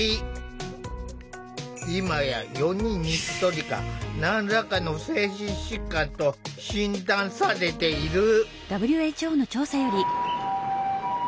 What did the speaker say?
今や４人に１人が何らかの精神疾患と診断されている。